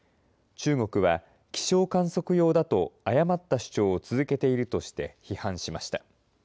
中国は気象観測用だと誤った主張を続けているとして批判しました。